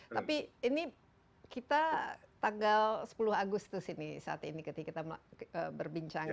tapi ini kita tanggal sepuluh agustus ini saat ini ketika kita berbincang